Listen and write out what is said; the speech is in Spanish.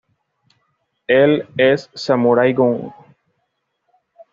Él es Samurai Gun.